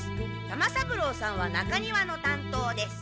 玉三郎さんは中庭の担当です。